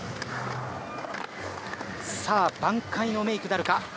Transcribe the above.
さあ挽回のメイクなるか。